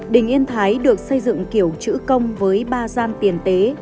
đình yên thái được xây dựng kiểu chữ công với ba gian tiền tế